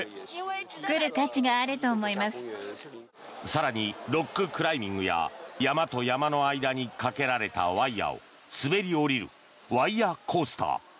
更に、ロッククライミングや山と山の間にかけられたワイヤを滑り降りる、ワイヤコースター。